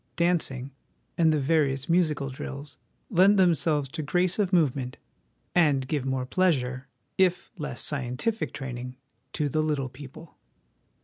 Dancing, and the various musical drills, lend themselves to grace of movement, and give more pleasure, if less scientific training, to the little people.